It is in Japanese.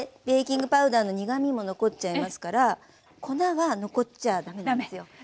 ベーキングパウダーの苦みも残っちゃいますから粉は残っちゃ駄目ですよ。